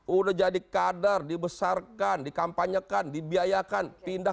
udah jadi kader dibesarkan dikampanyekan dibiayakan pindah